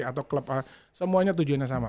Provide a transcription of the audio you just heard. atau klub a semuanya tujuannya sama